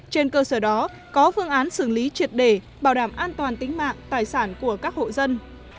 trên cơ sở đó có phương án xử lý triệt để bảo đảm an toàn tính mạng tài sản của các hộ dân